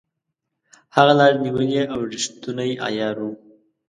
هغه لاري نیولې او ریښتونی عیار وو.